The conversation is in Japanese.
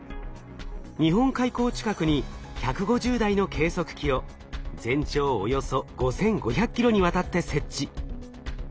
日本海溝近くに１５０台の計測器を全長およそ５，５００ｋｍにわたって設置。